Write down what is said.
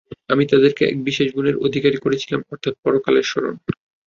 আমি তাদেরকে এক বিশেষ গুণের অধিকারী করেছিলাম অর্থাৎ পরকালের স্মরণ।